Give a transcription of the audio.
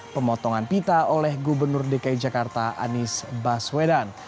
pemotongan pita oleh gubernur dki jakarta anies baswedan